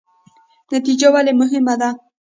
نتیجه ولې مهمه ده؟